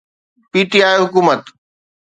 P T I حڪومت